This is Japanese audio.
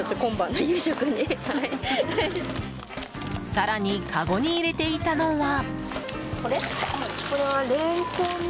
更に、かごに入れていたのは。